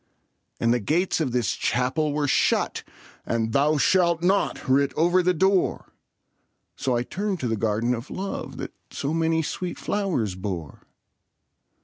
And the gates of this Chapel were shut, And 'Thou shalt not' writ over the door; So I turned to the Garden of Love That so many sweet flowers bore.